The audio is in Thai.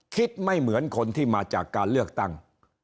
ไม่เหมือนคนที่มาจากการเลือกตั้ง